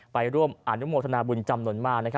ไปร่วมอนุโมทนาบุญจำนวนมาก